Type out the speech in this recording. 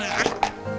sampai jumpa ya